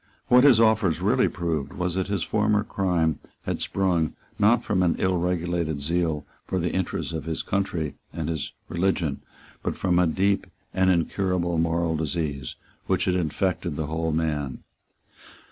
What his offers really proved was that his former crime had sprung, not from an ill regulated zeal for the interests of his country and his religion, but from a deep and incurable moral disease which had infected the whole man.